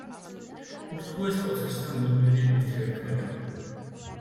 ურთულეს პროცესთა მუდმივი ურთიერთქმედება.